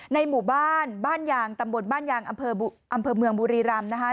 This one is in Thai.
ในหมู่บ้านบ้านยางตำบลบ้านยางอำเภอเมืองบุรีรำนะคะ